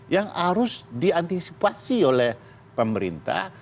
yang harus diantisipasi oleh pemerintah